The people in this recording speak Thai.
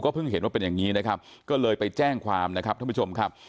เพิ่งเห็นว่าเป็นอย่างนี้นะครับก็เลยไปแจ้งความนะครับท่านผู้ชมครับ